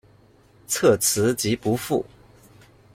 策辞疾不赴。